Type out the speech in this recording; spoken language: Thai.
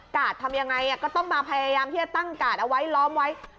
ทำยังไงก็ต้องมาพยายามที่จะตั้งกาดเอาไว้ล้อมไว้